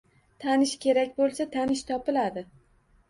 Tanish kerak bo‘lsa, tanish topiladi.